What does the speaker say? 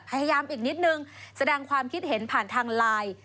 อีกนิดนึงแสดงความคิดเห็นผ่านทางไลน์